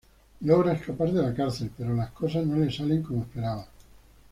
Logra escapar de la cárcel, pero las cosas no le salen como esperaba.